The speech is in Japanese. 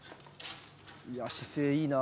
いや姿勢いいな。